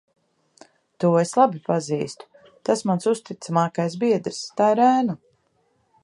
To es labi pazīstu. Tas mans uzticamākais biedrs. Tā ir ēna.